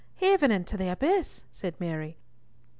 "Even into the abyss!" said Mary.